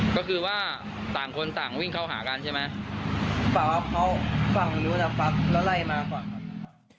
ก็คือว่าต่างคนต่างวิ่งเข้าหากันใช่ไหมเพราะว่าเขาฟังตรงนี้นะครับแล้วไล่มาฝั่งตรงนี้นะครับ